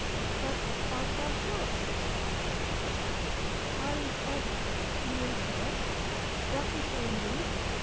But art thou sure it is so? res agit ille tuas? doth he so indeed?